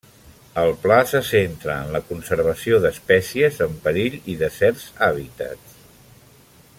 El pla se centra en la conservació d'espècies en perill i de certs hàbitats.